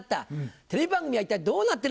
テレビ番組は一体どうなってるのか？」。